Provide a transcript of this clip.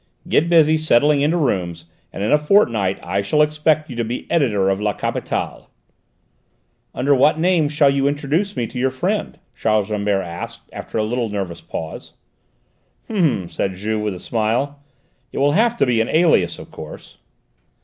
Get busy settling into rooms, and in a fortnight I shall expect you to be editor of La Capitale." "Under what name shall you introduce me to your friend?" Charles Rambert asked, after a little nervous pause. "H'm!" said Juve with a smile: "it will have to be an alias of course."